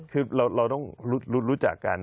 คือเราต้องรู้จักกัน